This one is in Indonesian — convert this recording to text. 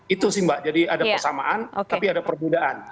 itu sih mbak jadi ada persamaan tapi ada perbedaan